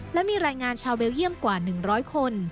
และมีรายงานชาวเบลเยี่ยมกว่า๑๐๐คน